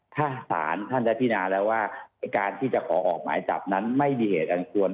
ถ้าศาลท่านได้พินาแล้วว่าการที่จะขอออกหมายจับนั้นไม่มีเหตุอันควร